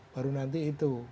baru nanti itu